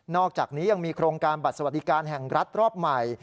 อกจากนี้ยังมีโครงการบัตรสวัสดิการแห่งรัฐรอบใหม่